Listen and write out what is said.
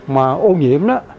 mà ô nhiễm đó